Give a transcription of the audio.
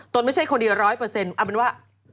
คนเดียวร้อยเปอร์เซ็นต์เอาเป็นว่า